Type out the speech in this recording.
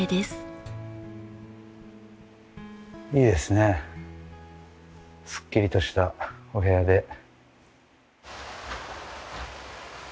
すっきりとしたお部屋で。